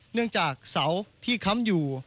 เนื่องจากเสาที่ค้ำอยู่